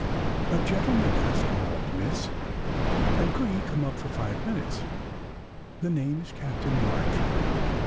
"A gentleman has called, Miss, and could he come up for five minutes? The name is Captain March."